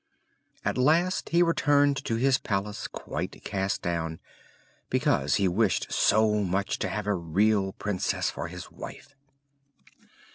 At last he returned to his palace quite cast down, because he wished so much to have a real Princess for his wife.